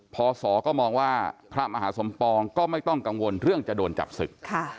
พศก็มองว่าพระมหาสมปองก็ไม่ต้องกังวลเรื่องจะโดนจับศึก